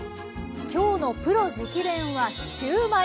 今日のプロ直伝！はシューマイ。